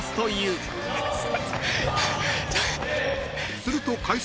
［すると］